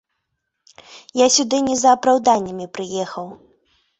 Я сюды не за апраўданнямі прыехаў.